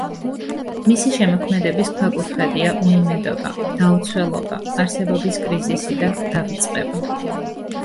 მისი შემოქმედების ქვაკუთხედია უიმედობა, დაუცველობა, არსებობის კრიზისი და დავიწყება.